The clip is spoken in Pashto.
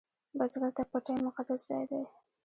بزګر ته پټی مقدس ځای دی